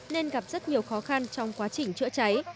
nên gặp rất nhiều khó khăn trong quá trình chữa cháy